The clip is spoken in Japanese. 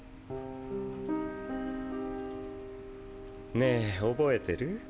ねぇ覚えてる？